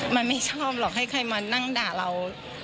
มันไม่ชอบหรอกให้ใครมานั่งด่าเรา